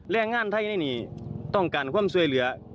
และงานไทยนี้นี่ต้องการความสวยเหลือ